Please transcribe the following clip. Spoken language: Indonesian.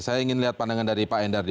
saya ingin lihat pandangan dari pak endardi